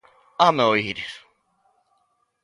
Hame oir!